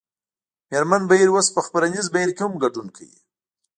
مېرمن بهیر اوس په خپرنیز بهیر کې هم ګډون کوي